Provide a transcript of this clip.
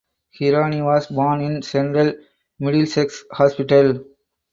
Hirani was born in Central Middlesex Hospital.